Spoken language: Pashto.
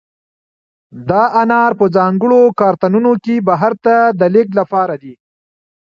دا انار په ځانګړو کارتنونو کې بهر ته د لېږد لپاره دي.